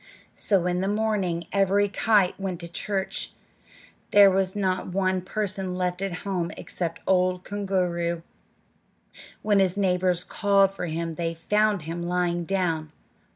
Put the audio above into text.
So in the morning every kite went to church. There was not one person left at home except old Koongooroo. When his neighbors called for him they found him lying down.